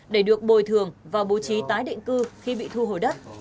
để được bồi thường và bố trí tái định cư khi bị thu hồi đất